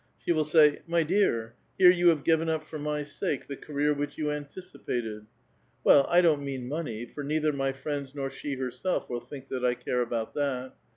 She will say, ' JMy dear, here you have given up for my sake the career which you anticipated.' Well, I don't mean money, for neither my friends nor she herself will think that 1 care about that.